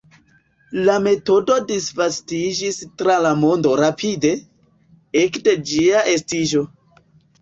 La metodo disvastiĝis tra la mondo rapide, ekde ĝia estiĝo.